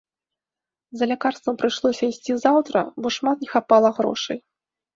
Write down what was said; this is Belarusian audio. За лякарствам прыйшлося ісці заўтра, бо шмат не хапала грошай.